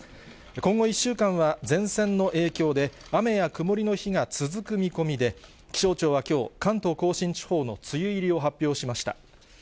今後１週間は、前線の影響で、雨や曇りの日が続く見込みで、気象庁はきょう、関東甲信地方の梅雨入りを発表しました。